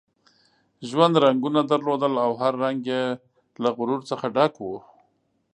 ژوند رنګونه درلودل او هر رنګ یې له غرور څخه ډک وو.